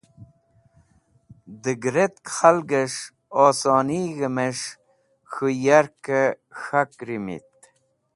Dẽgẽretk khalges̃h osonig̃hẽ mes̃h k̃hũ yarkẽ k̃hak rimit.